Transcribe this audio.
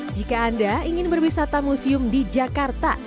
jika anda ingin berwisata museum di jakarta